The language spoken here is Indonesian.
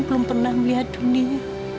belum pernah melihat dunia